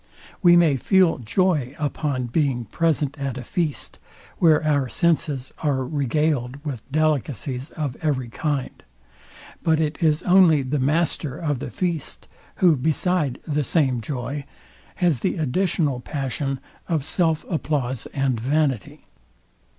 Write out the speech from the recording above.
We may feel joy upon being present at a feast, where our senses are regard with delicacies of every kind: But it is only the master of the feast, who, beside the same joy, has the additional passion of self applause and vanity.